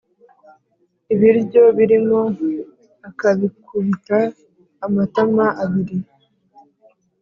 ibiryo birimo akabikubita amatama abiri,